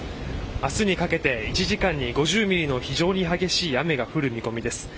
明日にかけて１時間に５０ミリの非常に激しい雨が降る見込みです。